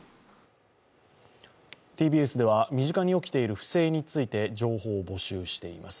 ＴＢＳでは身近に起きている不正について情報を募集しています。